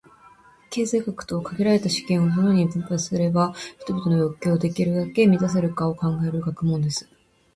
経済学とは、「限られた資源を、どのように分配すれば人々の欲求をできるだけ満たせるか」を考える学問です。